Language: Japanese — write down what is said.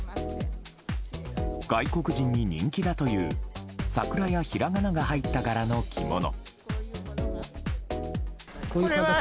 外国人に人気だという桜やひらがなが入った柄の着物。